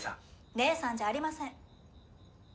姉さんじゃありません。